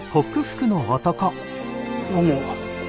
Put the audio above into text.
どうも。